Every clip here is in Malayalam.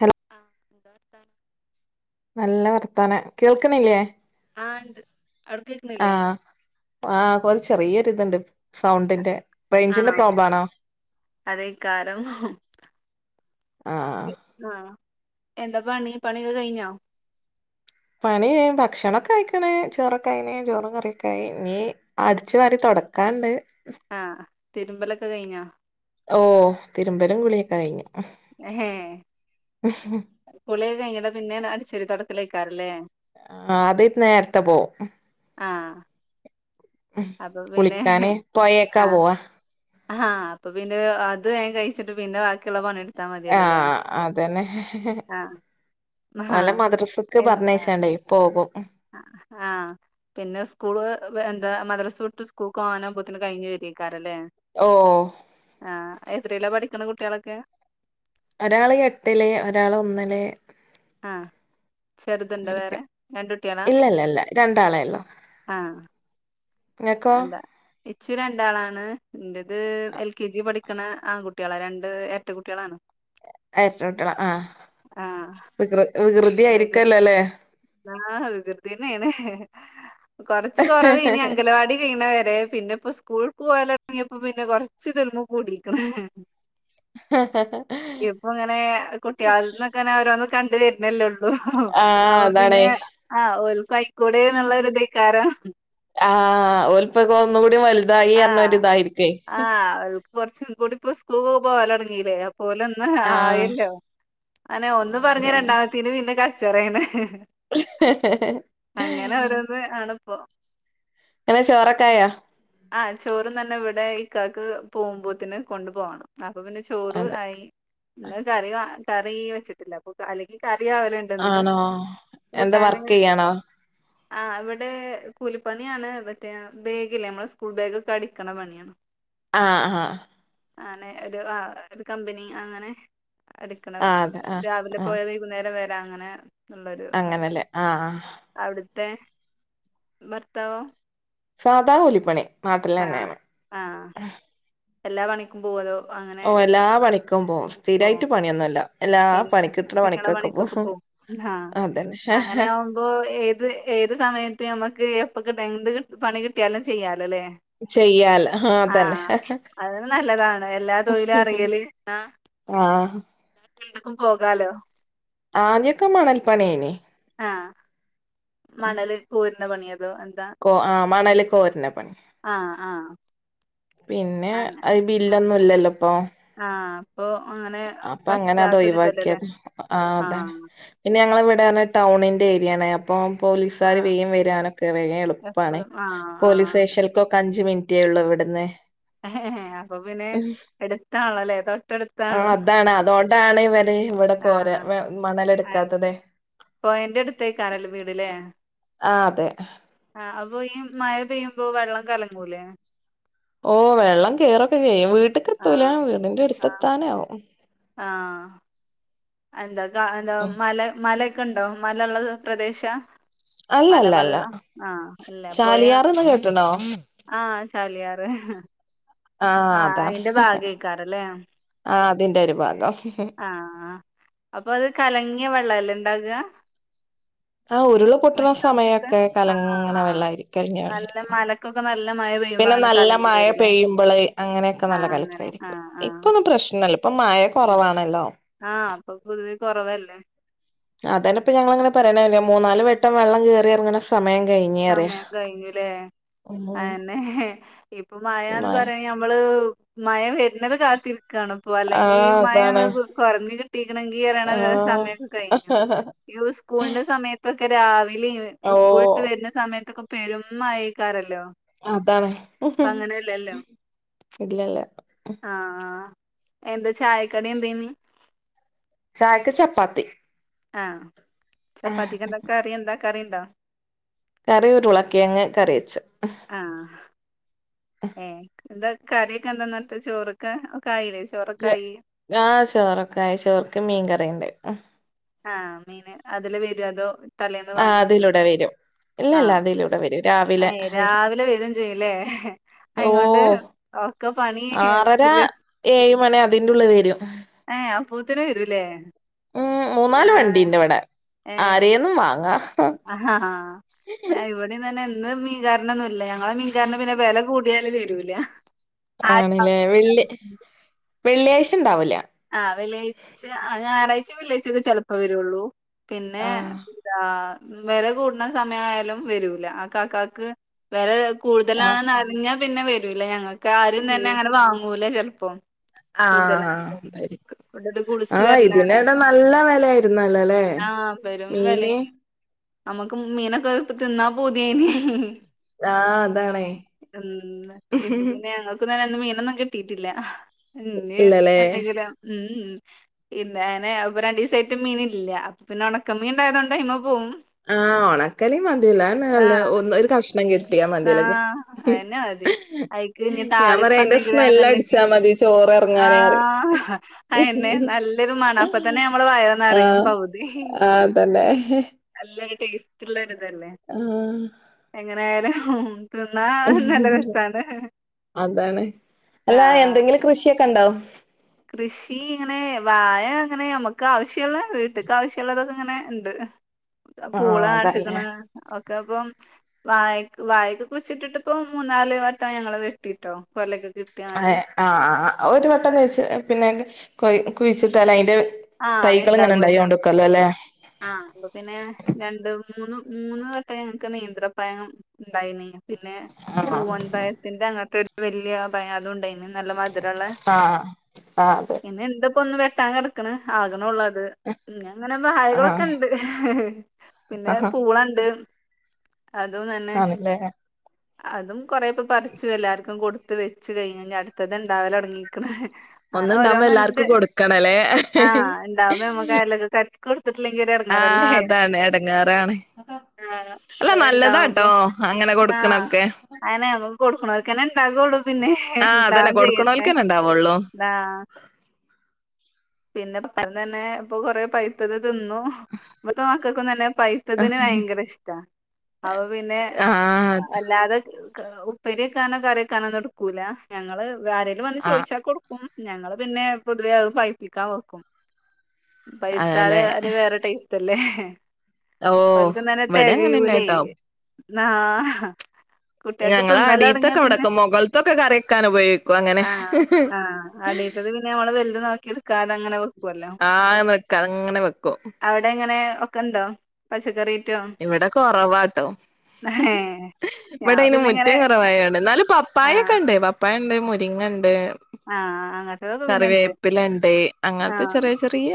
ഹലോ അസ്ഥ [inaudible] നല്ല വർത്താനം കേൾക്കണില്ലേ? ആഹ് ണ്ട്, അവ്ടക്കേക്കുന്നില്ലേ? ആഹ് ആഹ് കൊൽ ചെറിയൊരി തുണ്ട് സൗണ്ടിന്റെ, ആണോ, റേഞ്ചിന്റെ പ്രോബ്ലം അതേയ്കാരം. ആഹ് ആഹ്, എന്താ പണി പണിയൊക്കെ കഴിഞ്ഞോ? പണി ഭക്ഷണൊക്കഴിക്കണേ ചോറക്കായ്നെ ചോറും കറിയൊക്കായി ഇനി, അടിച്ചു വാരി തൊടക്കാണ്ട്. ആഹ്, തിരുമ്പലൊക്കെ കഴിഞ്ഞോ? ഓഹ് തിരുമ്പലും കുളിയൊക്കെ കഴിഞ്ഞു. ഏഹ്, കുളിയൊക്കെകഴിഞ്ട്ട പിന്നേ അടിച്ചാരി തൊടക്കൽക്കാരല്ലേ? ആഹ് അത് നേരത്തെ പോകും ആഹ്, ഉം അപ്പൊ പിന്നെ കുളിക്കാന് പൊയേക്കാ പോവാ. ആഹ് അപ്പൊ പിന്നെ അത് വേഗം കഴിച്ചിട്ട് പിന്നെ ബാക്കിയുള്ള പണിയെട് ആഹ്, അതെന്നെ. ആഹ് ഹാ ഓലെ മദ്രസ്ക്ക് എന്താ പറഞ്ഞേച്ചാണ്ടേ പോകും. ആഹ്, പിന്നെ സ്കൂള് എന്താ മദ്രസ വിട്ട് സ്കൂൾക്ക് പോവാനാൻപോത്തിന് കഴിഞ് വെരിയ്ക്കാരല്ലേ, ഓഹ് ആ എത്രേലാ പഠിക്കണ കുട്ടികളൊക്കെ? ഒരാൾ എട്ടില് ഒരാൾ ഒന്നില്. ആ ചെറുതൊണ്ട പഠിക്ക വേറെ രണ്ട കുട്ടിയളാ ഇല്ല ഇല്ല ഇല്ല രണ്ടാളേ ഉള്ളൂ ആ? ഇങ്ങക്കോ എന്താ? ച്ചി രണ്ടാളാണ് ന്റേത് എൽ കെ ജി പഠിക്കണ ആൺകുട്ടികളാ രണ്ട് എരട്ട കുട്ടികളാണ്. എരട്ടകുട്ടിള! ആഹ്, ആഹ് വികൃ വികൃതി ആയിരിക്ക്വല്ലോലേ? ആഹ് വികൃതി തന്നാണ്. കൊറച്ച് കൊറവേനി അംഗലവാടി കയ്യ്ണ വരെ പിന്നെ ഇപ്പൊ സ്കൂൾക്ക് പോയലിടങ്ങിയപ്പോ പിന്നെ കൊറച്ച് ളുല്മ് കൂടിക്ക്‌ണ്. ഇപ്പ ഇങ്ങനെ കുട്ട്യേള്തന്നൊക്കെ ഓരോന്ന് കണ്ട് വര്നല്ലോ ള്ളൂ ആഹ് അപ്പൊ അതാണേ പിന്നെ ആഹ് ഓല്ക്കും അയിക്കൂടെന്ന്ള്ളോര് ഇതേക്കാരം. ആഹ് ഒല്പ്പക്കെ ഒന്നുകൂടി വലുതായിറഞ്ഞ ആഹ് ഒരിതായിരിക്കേ ആഹ് ഓൽ കൊറച്ചും കൂടിം ഇപ്പം സ്കൂള്കൊക്കെ പോകലടങ്ങീലേ അ പ്പൊലൊന്ന് ആഹ് ആയല്ലോ അതെന്നെ ഒന്ന് ആഹ് പറഞ്ഞ അതന്നെ രണ്ടാമ ത്തിന് പിന്നെ കച്ചറേണ് ഹേ ഹേ അങ്ങനെ ഓരോന്ന് ആണ്പ്പം ഇങ്ങളെ ചോറക്കായോ? ആഹ് ചോറുന്നന്നെ ഇവടെ ഇക്കാക്ക് പോവുമ്പോത്തിന് കൊണ്ടു പോണം. അപ്പൊ പിന്നെ ചോറ് അതെ ആയി ഇന്ന് കറി വാ കറി വെച്ചിട്ടില്ലപ്പൊ അല്ലെങ്കിൽ കറി ആവല് ആണോ എന്താ വർക്ക്യ്യാണോ? ആഹ് ഇവടെ കൂലിപ്പണ്യാണ് മറ്റേ ബേഗില്ലേ നമ്മളെ സ് സ്കൂൾ ബേഗോക്കെ അടിക്ക്‌ണ പണ്യാണ്. ആഹ് ആഹ് ആണ് ഒരു ആഹ് ഒരു കമ്പനി അങ്ങനെ അടിക്ക്‌ണ ആഹ് അതെ ആഹ് രാവിലെ പോയ വൈകുന്നേരം വരാ അങ്ങനെ അങ്ങനെലേ ആഹ് ആഹ് അവിട്ത്തെ ഭർത്താവോ? സാധാ കൂലിപ്പണി ആഹ് നാട്ടിലെന്നെയാണ്. ആഹ് എല്ലാ പണിക്കും പോവൊ അതോ അങ്ങനെ ഓഹ് എല്ലാ പണിക്കും പോവും പോവോ സ്ഥിരായിട്ട് പണിയൊന്നുല്ല. എല്ലാ പണി കിട്ട്ണ പണിക്കൊക്കെ പോവും അതെന്നെ അപ്പോ ഏത് ഏത് സമയത്ത് നമുക്ക് എപ്പൊ കിട്ടു എന്ത് പണി കി ട്ട്യാലും ചെയ്യാലൊലേ? ചെയ്യാല ആഹ് അതന്നെ അതൊര് നല്ലതാണ് എല്ലാ തൊയിലു അറിയല് ആഹ് ആഹ് എന്ത്‌ക്കും പോകാലോ ആദ്യോക്കെ മണൽപ്പണ്യേനി ആഹ് മണല് കോര്ണ പണ്യോ അതോ എന്താ? ഓ ആഹ് മണല് കോര്ണ പണി. ആഹ് ആഹ് പിന്നെ അങ്ങനെ അത് ആഹ് ബില്ലൊന്നും ഇല്ലല്ലോ ഇപ്പൊ ആഹ് അപ്പൊ അങ്ങനെ അപ്പ അങ്ങനെ അത് ഒഴിവാക്കി പറ്റാത്തൊരിതല്ലല്ലേ അത് ആഹ് അതെന്നെ പിന്നെ ഞങ്ങളെവടെറ്ഞ്ഞ ടൗണിന്റെ ഏര്യാണ് അപ്പം പോലീസാര് ആഹ് വേം വരാനൊക്കെ വേം എളുപ്പാണ് എപ്പളും ആഹ് ആഹ് പോലീസ് സ്റ്റേഷ ന്ക്കൊക്കെ അഞ്ച് മിനിറ്റേ ഒള്ളൂ ഇവട്ന്ന് അപ്പൊ പിന്നെ എട്ത്താണല്ലോലേ തൊട്ടട് ആഹ് അതാണ് അതോണ്ടാണ് ഇവര് ഇവടെ കോര ആഹ് ആഹ് മണലെട്ക്കാത്തതെ പൊഴന്റെ എട്ത്തേക്കാരലേ വീട്ലേ ആഹ് അതെ ആഹ് അപ്പൊ ഈ മഴ പെയ്യുമ്പോ വെള്ളം കലങ്ങൂലേ ഓഹ് വെള്ളം കേറോക്കെ ചെയ്യും വീട്ട്ക്ക് എത്തൂല ആഹ് ആഹ് വീടിന്റെട്ത്തെത്താനാവും ആഹ് എന്താ ക എന്താ ഉം മല മലക്കെണ്ടോ മലള്ള പ്രദേശാ അല്ലല്ല അല്ല മലവെള്ളം ആഹ് ചാലിയാറെന്ന് കേട്ട്ണോ? ആഅയ് സാരല്ല പറയും ആഹ് ആ അതാണ് അയിന്റെ ഭാഗകയകാറല്ലേ ആഹ് അതിന്റെ ഒരു ഭാഗം അപ്പൊ അത് കലങ്ങിയ വെള്ളല്ലേ ണ്ടാക ആ ഉരുള് പൊട്ടണ സമയത്ത് സമയമൊക്കെ ആഹ് കലങ്ങണ ആഹ് വെള്ളായിരിക്കും കലങ്ങിയ നല്ല വെള്ളായിരിക്കും മലക്കൊക്കെ നല്ല മഴ പെയ്യുമ്പോ പിന്നെ അങ്ങനെ നല്ല കലങ്ങി മഴ വരൂലേ പെയ്യുമ്പള് അങ്ങനെയൊക്കെ നല്ല ആഹ് അങ്ങനെ കലക്കായിരിക്കും ആഹ് ആഹ് ഇപ്പൊന്നും പ്രശ്നല്ല പ്പൊ മഴ കുറവാണല്ലോ ആ അപ്പൊ പുതുവെ കൊ റവല്ലേ അതെപ്പോ ഞങ്ങൾങ്ങന പറയണ മൂന്നാല് വട്ടം വെള്ളം കയറിയിറങ്ങണെസമയ സമയംകഴിഞ്ഞ് സമയം കഴിഞ്ല്ലേ അന്നെ ഇപ്പൊ മായന്ന് മഴ പറയാ ഞ മ്മള് മയ വരുന്നത് കാത്തി രിക്കാണ് അല്ലെങ്കി ആഹ് മഴ അതാണ് കുറഞ്ഞു കിട്ടിക്കിണങ്കി ന്നറയണ ആഹ് സമയൊ ക്കെ കഴിഞ്ഞു യു സ്കൂളിന്റെ സമയത്ത് ഇപ്പൊക്കെ രാവിലെയും ഓ സ്കൂലുട്ട് വരുന്ന സമയത്തൊക്കെ പെരുംമഴയ്ക്കാരല്ലോ അതാണ് [unintelligible] ആഎന്താ ചായക്കടി എന്തേന് ചായക്ക് ചപ്പാത്തി ആ ചപ്പാത്തിക്കെന്ത കറി എന്താ കറിണ്ട കറി ഉരുളക്കിയങ് കറി വെച്ച് ആ ഏ എന്താ കറിയൊക്കെ എന്താന്നത്തെ ചോറൊക്കെ ആയില്ലേ ചോറൊക്കെ ആയി ആചോറൊക്കെയായി ചോറക്ക് മീകറി ആ മീന് അതിലെവരോ അതോ തലേന്ന് ആ വാങ്ങിച്ചതോ അതിലൂടെ വരും ഇല്ലല്ല അതിലൂടെ വരും അ രാവിലെ വരും രാവിലെ വരും ചെയ്യല്ലേ ഓ അയികൊണ്ട് ഒക്കെ പണി ആ ഏഴ് മണി അതിന്റെ ഉള്ളി വരും ഏ അപ്പൂത്തിന് വരൂലേ മ്മ് മൂന്നാല് വണ്ടിണ്ട് വിടെ ഏഹ് ആരെയൊന്നും വാങ്ങാ ആ ഇവിടെ തന്നെ ഇന്ന് മീ കാരണൊന്നുമല്ല ഞങ്ങളെ പിന്നെ വില കൂടിയാല് വരൂല ആ ആണല്ലേ വെള്ളി വെള്ളിയാഴ്ച ഉണ്ടാവൂല ആവെള്ളിയാഴ്ച ആ ഞായറാഴ്ച വെള്ളിയാഴ്ക്കെ ചെലപ്പോ വരുള്ളൂ പിന്നെ ആഹ് ആവെല കൂടണ സമയയാലും വരൂല ആ കാക്കക്ക് വലെ ആഹ് കൂടുതലാണെന്ന് അറിഞ്ഞാൽ പിന്നെ വരൂല്ല ഞങ്ങൾക്ക് ആരും തന്നെ അങ്ങനെ വാങ്ങൂല ചെലപ്പം ആ കൂടുതലാണ് രിക്കും ഇവിടെ ഒരു ഗുഡ്സ് ആഹ് വരലാണ്. ഇതിനന്നാ നല്ല വിലായിരുന്നല്ലേ മീനിന് നമ്മക്ക് മീനൊക്കെ ഇപ്പൊ തിന്നാ പൂതിയായീന് ആഹ് അതാണേ ഇപ്പൊ പിന്നെ ഞങ്ങ ഇത്ര നേരവും മീനൊന്നും കിട്ടീട്ടില്ല ഇ ഇല്ലല്ലേ എന്തെങ്കിലും മ്മ് ഇല്ല അനെ വിടെ രണ്ടീസായിട്ട് മീനില്ല അപ്പൊ പിന്നെഉണക്ക മീൻണ്ടായതുകൊണ്ട അയിമ്മേ പോവും [inaudible] ഒണക്കലീൻ മതിയല്ലോ അയെന്നേണല്ലോ ആഹ് ഒന്ന് ഒര് കഷണം കിട്ടിയാൽ മതിയല്ലോ ഇന്ക്ക് ആഹ് അയന്നെ മതി അയിക്ക് ഇനി ഞാൻ പറയാ താളിപ്പ് അയിന്റെ എന്തെങ്കിലും സ്മെൽ ആണെന്നുണ്ടെങ്കി അടിച്ചാ മതി ചോറ് ങ്ങാനറി ആഹ് അയന്നെ നല്ലൊരു മണം അപ്പ തന്നെ നമ്മളെ വയറ് നെറയും ആഹ് പകുതി ആ അതന്നെ നല്ലൊരു ടേസ്റ്റ് ഉള്ളരിതല്ലേ ഉഹാ ങ്ങനൊയാലും തിന്നാ നല്ല രസാണ് അതാണ് അല്ല ആഹ് എന്തെങ്കിലും കൃഷിയൊക്കെ ഉണ്ടാവോ കൃഷി ഇങ്ങനെ വാഴ അങ്ങനെ നമ്മുക്ക് ആവശ്യുള്ള വീട്ടിക്ക് ആവശ്യമുള്ളതൊക്കെ ഇങ്ങനെ ഇണ്ട് പൂള ആഹ് അതല്ലേ ആട്ടകന് ഒക്കെ അപ്പൊ വായക്ക് വായക്ക് കുഴിച്ചിട്ടിട്ട് ഇപ്പൊ മൂന്നാല് വട്ടം ഞങ്ങള്െ വെട്ടിട്ടോ കൊലക്ക് ഏ ആ ഒരു പെട്ടന്ന് വെച്ച് പിന്നെ കൊയ് കുഴിച്ചിട്ടാല അതിന്റ ആഹ് തൈകള ഇങ്ങനെ ഉണ്ടായി ഇണ്ടാകുവല്ലോ കൊണ്ടക്കല്ലോ അല്ലെ ആഹ് അപ്പ പിന്നെ രണ്ട് മൂന്ന് മൂന്ന് വട്ടം ഞങ്ങക്ക് നേന്ത്രപഴം ഉണ്ടായിന് പിന്നെ ആഹ് പൂവൻ പഴത്തിന്റെ അങ്ങനത്തെ ഒരു വലിയ പഴം അതും ഉണ്ടായിന് നല്ല മധുരമുള്ള ആഹ് ആഹ് അതെ പിന്നെ ഇണ്ട് ഇപ്പ ഒന്ന് വെട്ടാൻ കിടക്കണ് ആകണള്ളൂ അത് ഉഹ്മ് അങ്ങനെ ആഹ് കായ്കളൊക്കെ ഉണ്ട് പിന്നെ ആഹ് പൂളണ്ട് അതും തന്നെ ആണല്ലേ അതും കൊറേപ്പ പറിച്ചു എല്ലാർക്കും കൊടുത്ത അടുത്ത് വെച്ച് കഴിഞ്ഞ് ഇനി അടുത്തത് ഉണ്ടാവലോ തുടങ്ങികണ് ഒന്നുണ്ടാകുമ്പോ എല്ലാർക്കും കൊടുക്കണല്ലേ ആഹ് ഇണ്ടാവുമ്പോ നമ്മക്ക് അയൽവക്കക്കാർക്ക് കൊടുത്തിട്ടില്ലെങ്കി ഒരു എടങ്ങേറല്ലേ ആഹ് അതാണ് എടങ്ങേറാണ് ആഹ് അല്ല ഓര് നല്ലതാട്ടോ അങ്ങനെ കൊടുക്കണൊക്കെ അയിനെ നമക്ക് കൊടുക്കണർക്ക് തന്നെ ഇണ്ടാകുള്ളൂ പിന്നെ ആഹ് അതന്നെ ഇണ്ടാവും ചെയ്യട്ടെ കൊടുക്കണോൽക്കന്നെ ഇണ്ടാവുള്ളൂ ആ പിന്നെ പഴം തന്നെ ഇപ്പൊ കൊറെ പൈത്തത് തിന്നു ഇപ്പഴത്തെ മക്കൾക്കും തന്നെ പൈ ത്തതിന് ഭയങ്കര ഇഷ്ട അപ്പോ പിന്നെ ആഹ് അല്ലാതെ ഉപ്പേരിവെക്കാനോ കറിവെക്കാനോ എടുക്കൂല ഞങ്ങള് വേറാരലും വന്ന് ആഹ് ചോദിച്ചാൽ കൊടുക്കും ഞങ്ങള് പിന്നെ പൊതുവെ അത് പഴുപ്പിക്കാൻ വെക്കും പഴുത്താൽ അതല്ലേ അത് വേറെ ടേസ്റ്റ് അല്ലേ ഓഹ് അവക്കുംന്നന്നെ ഇവിടെ തികയൂല്ലേ അങ്ങനെന്നെട്ടോ നാ കുട്ടികക്ക് ഞങ്ങളെ തിന്നല് തുടങ്ങിയ അടീത്തൊക്കെ പിന്നെ ഇവിടൊക്കെ മുകൾത്തൊക്കെ കറി വെക്കാൻ ഉപയോഗിക്കും അങ്ങനെ ആഹ് ആഹ് അടി ത് പിന്നെ നമ്മള് വലുത് നോക്കി എടുക്കാത അങ്ങനെ വെക്കുവല്ലോ ആഹ് വെക്ക അങ്ങനെ വെക്കും അവിടെ എങ്ങനെ ഒക്കെണ്ടോ പച്ചക്കറി ഐറ്റം ഇവിടെ കുറവാട്ടോ ഏ ഞാൻ ഇവിടെ അയിന് പിന്നെ ഇങ്ങനെ മുറ്റം കുറവായാണ് എന്നാല് ആ പപ്പായൊക്കെ ഉണ്ടേ പപ്പ പപ്പായ ഇണ്ട് മുരിങ്ങ ഇണ്ട് ആഹ് അങ് കറിവേപ്പില ഇണ്ട് അങ്ങനത്തെ ചെറിയ ചെറിയ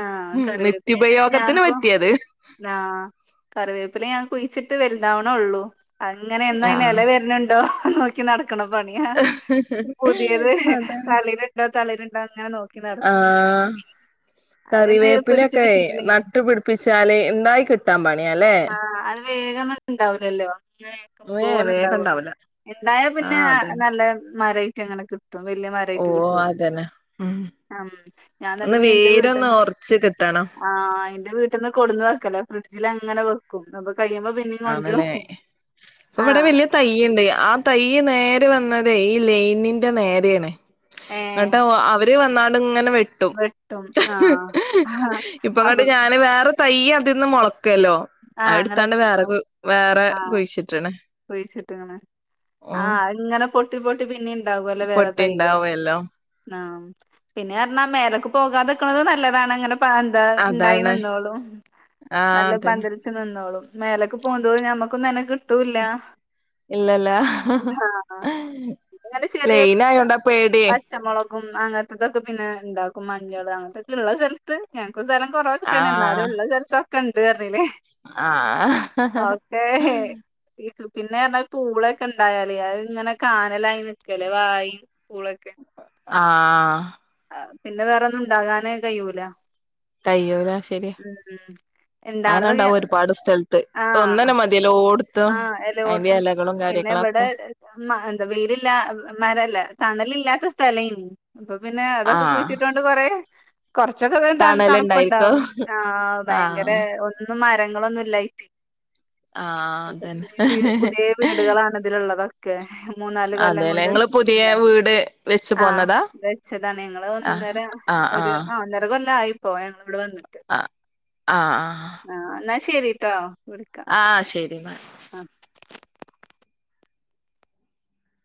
ആ ഉം നിത്യുപയോഗത്തിന് പറ്റിയത് ആഹ് കറിവേപ്പിലേ ഞാൻ കുഴിച്ചിട്ട് വലുതാവണെ ഒള്ളൂ അങ്ങനെ എന്ന അയിന് എല ആഹ് വരുന്നുണ്ടോ നോക്കി നട ക്കണ പണിയ പുതിയത് തളിരിട്ടോ തളിരിട്ടോ അങ്ങനെ നോക്ക ആ അതൊന്ന് പിടിച്ചു കറിവേപ്പിലൊക്കെ കിട്ടിയിട്ടില്ലെങ്കിൽ നട്ടുപിടി പ്പിച്ചാല് എന്തായി കിട്ടാൻ പണിയല്ലേ ആഹ് അത് വേഗംന്നക്ക ഇണ്ടാവലല്ലോ ഏ പോലെ ഉണ്ടാവ വേഗണ്ടാവൂല ഇണ്ടായാ പിന്നെ ആഹ് അതന്നെ നല്ല മരാ യിട്ട് അങ്ങനെ കിട്ടും ഏറ്റവും വലിയ ഓ മരായിട്ട് കിട്ടുവല്ലോ അതന്നെ ഉം ഉം ഞാൻ തന്നെ ഒന്ന് പിന്നെ എന്റെ വേരൊന്ന് വീട്ടീന്ന് ഒറച്ച് കിട്ടണം ആഹ് എന്റെ വീട്ട പെന്ന് കൊടുന്ന് വെക്ക ഫ്രിഡ്ജിൽ അങ്ങന വെക്കും അപ്പ കയ്യിബം പി ആന്നല്ലേ ഇപ്പൊ ഇവിടെ വലിയ തൈ ആ തയ്യ് നേര് വന്നത് ഈ ലൈനിന്റെ നേരെയാണ് ഏഹ് എന്നിട്ട് അവര് വന്നാട് ഇങ്ങനെ വെ വെട്ടും ആഹ് ആ തൈയ്യ് അതിൽ നിന്ന് മുളക്കല്ലോ ആഹ് അങ്ങന വേറെ കുഴിച്ചിട്ടണ കുഴിയിച്ചിട്ടുങ്ങിന്ന് ആഹ് അങ്ങനെ പൊട്ടി പൊട്ടി പിന്നെ ഇണ്ടാകുമല്ലേ വേറെ തൈകള് പൊട്ടിണ്ടാവല്ലോ ആഹ പിന്നെ പറഞ്ഞാ മേലേക്ക് പോകാതിക്കണത് നല്ലതാണ് അങ്ങനെ ത് ഇണ്ടായി അതാണ് നിന്നോളും ആഹ് നല്ല അതന്നെ പന്ത വച്ച് നിന്നോളും മേലക്ക് പോകുന്തോറും ഞമ്മക്കൊന്നും അതിനെ കിട്ടൂല്ല. ഇല്ലല്ല ആ ഇങ്ങനെ ചെറിയ ലൈനായോണ്ടാ പേടിയേ പച്ചമുളകും ഉം അങ്ങനത്തൊക്കെ പിന്നെ ഉണ്ടാക്കും. മഞ്ഞൾ അങ്ങനത്തൊക്കെ ഉള്ള ഞങ്ങൾക്ക് സ്ഥലം കുറവൊക്കെ തന്നെ എന്നാലും ഉള്ള സ്ഥലൊക്കെ ഉണ്ട് പറയല്. ആ ഹ ഹ ഹാ [unintelligible] പിന്നെ എന്നാൽ പൂളൊക്കെ ഉണ്ടായാല് ഇങ്ങനെ കാനലായി നിൽക്കല്ലേ വായും പൂളൊക്കെ. ആഹ്. പിന്നെ വേറൊന്നും ഉണ്ടാകാന് കഴിയൂല്ല. കഴിയൂല്ല ശരിയാ, ഇണ്ടാവണതൊക്കെ അങ്ങനണ്ടാവും ഒരുപാട് സ്ഥലത്ത് ആഹ് ഒന്നനെ മ ഏലൊടുത്ത് ആഹ് അതിന്റെ ഇലകളും കാര്യങ്ങളൊക്കെ. എന്ത് വെയിലില്ല, മരല്ല തണലില്ലാത്ത സ്ഥലം ഇനി അപ്പൊ പിന്നെ അതൊക്കെ ആഹ് കുഴിച്ചിട്ടോണ്ട് കൊറെ കുറച്ചൊക്കെ അങ്ങനെ തണല്ണ്ടായിരിക്കും തണുപ്പുണ്ടാവും. ആ ഭയങ്കര ആഹ് ഒന്നും മരങ്ങളൊന്നുമില്ലായിട്ട്. ആഹ് അതന്നെ പുതിയ വീടുകളാണ് ഇതിലുള്ളത്. ക്ക് മൂന്നാല് കൊല്ലം അതെല്ലേ കൊണ്ട് ഇങ്ങള് പുതിയ ഇല്ലേ വീട് വെച്ച് ആ. പോന്നതാ വച്ചതാണ് ഞങ്ങള് ആഹ് ഒന്നര ആഹ് ഒരു ആഹ് ആ ഒന്നര കൊല്ലം ആയിപ്പോ ഞങ്ങള് ഇവിടെ വന്നിട്ട്. ആ ആ ആ. ആ എന്നാ ശരിയിട്ടോ വിളി ആ ശരി എന്നാ